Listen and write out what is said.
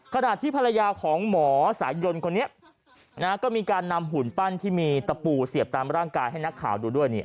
ขณะที่ภรรยาของหมอสายยนคนนี้ก็มีการนำหุ่นปั้นที่มีตะปูเสียบตามร่างกายให้นักข่าวดูด้วย